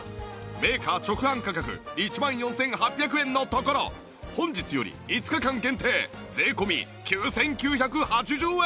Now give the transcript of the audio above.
メーカー直販価格１万４８００円のところ本日より５日間限定税込９９８０円！